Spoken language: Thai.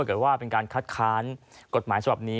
ก็คือว่าเป็นการคาดค้านกฎหมายสำหรับนี้